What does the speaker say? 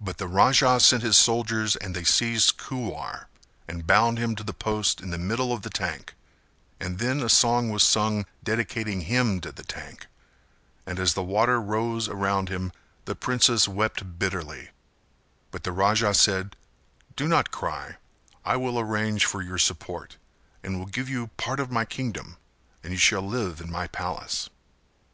But the Raja sent his soldiers and they seized Kuwar and bound him to the post in the middle of the tank; and then a song was sung dedicating him to the tank and as the water rose around him the princess wept bitterly; but the Raja said "Do not cry I will arrange for your support and will give you part of my kingdom and you shall live in my palace."